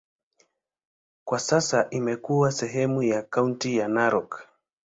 Kwa sasa imekuwa sehemu ya kaunti ya Narok.